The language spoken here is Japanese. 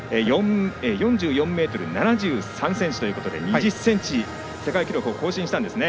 ４４ｍ７３ｃｍということで２０ｃｍ世界記録を更新したんですね。